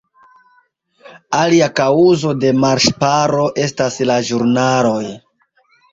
Alia kaŭzo de malŝparo estas la ĵurnaloj.